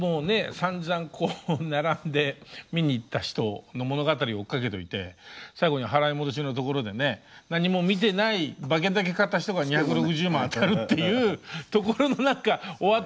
さんざんこう並んで見に行った人の物語を追っかけといて最後に払い戻しのところでね何も見てない馬券だけ買った人が２６０万当たるっていうところの何かおあとのよろしさ。